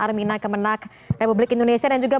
armina kemenang republik indonesia dan juga